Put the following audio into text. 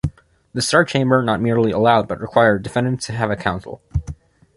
The Star Chamber not merely allowed, but required, defendants to have counsel.